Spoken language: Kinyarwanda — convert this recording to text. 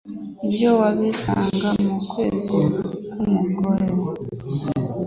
ibyo wabisanga mu kwezi k'umugore